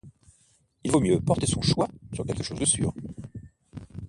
Il vaut mieux porter son choix sur quelque chose de sûr.